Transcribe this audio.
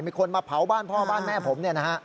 มีคนมาเผาบ้านพ่อบ้านแม่ผม